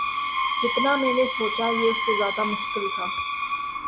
جتنا میں نے سوچا یہ اس سے زیادہ مشکل تھا